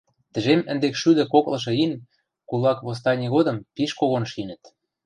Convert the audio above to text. Тӹжем ӹндекшшӱдӹ коклышы ин кулак восстани годым пиш когон шинӹт